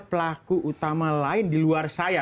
pelaku utama lain di luar saya